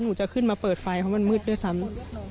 หนูจะขึ้นมาเปิดไฟเพราะมันมืดด้วยซ้ำ